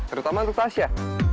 terutama untuk tasya